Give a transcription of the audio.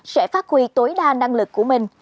sẽ phát huy tối đa năng lực của mình